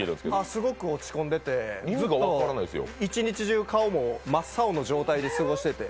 すごく落ち込んでて、一日中顔も真っ青な状態で過ごしてて。